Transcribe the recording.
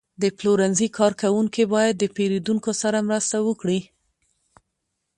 د پلورنځي کارکوونکي باید د پیرودونکو سره مرسته وکړي.